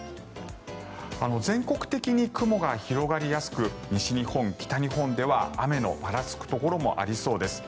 全国的に雲が広がりやすく西日本、北日本では雨のぱらつくところもありそうです。